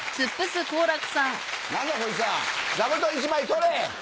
何だこいつは座布団１枚取れ。